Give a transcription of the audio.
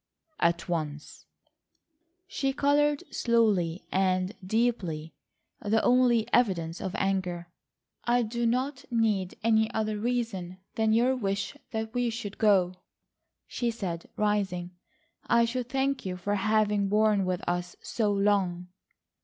"At once." She coloured slowly and deeply,—the only evidence of anger. "I do not need any other reason than your wish that we should go," she said, rising. "I should thank you for having borne with us so long."